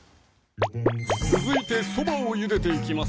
続いてそばをゆでていきます